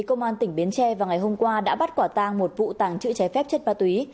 công an tỉnh bến tre vào ngày hôm qua đã bắt quả tang một vụ tàng trữ trái phép chất ma túy